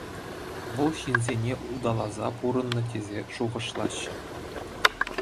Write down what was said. Вӑл ҫынсене улталаса пурӑннӑ тесе шухӑшлаҫҫӗ.